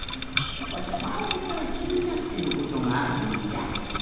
わしゃまえからきになってることがあるんじゃ。